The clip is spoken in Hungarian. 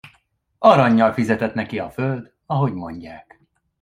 Arannyal fizetett neki a föld, ahogy mondják.